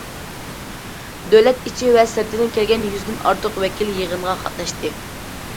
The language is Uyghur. دۆلەت ئىچى ۋە سىرتىدىن كەلگەن يۈزدىن ئارتۇق ۋەكىل يىغىنغا قاتناشتى.